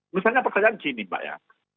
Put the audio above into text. misalnya pertanyaan gini mbak ya